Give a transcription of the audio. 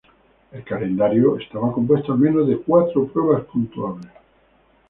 El calendario estaba compuesto al menos de cuatro pruebas puntuables.